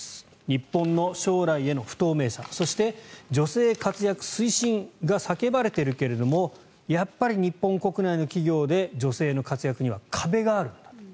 日本の将来への不透明さそして、女性活躍推進が叫ばれているけれどやっぱり日本国内の企業で女性の活躍には壁があるんだと。